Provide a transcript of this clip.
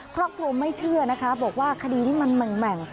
ครอบครัวไม่เชื่อนะคะบอกว่าคดีนี้มันแหม่ง